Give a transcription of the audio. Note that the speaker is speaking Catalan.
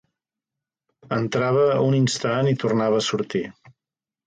Entrava un instant i tornava a sortir.